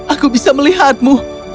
aku bisa melihatmu